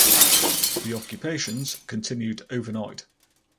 The occupations continued overnight.